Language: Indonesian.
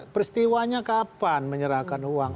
peristiwanya kapan menyerahkan uang